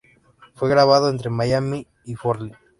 Fue grabado entre Miami y Forlì.